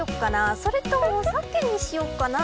それともサケにしようかな。